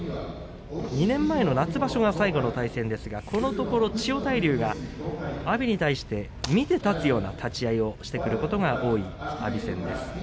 ２年前の夏場所が最後の対戦ですがこのところ千代大龍は阿炎に対して見て立つような立ち合いをしてくることが多い阿炎戦です。